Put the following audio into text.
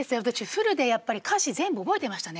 フルでやっぱり歌詞全部覚えてましたね。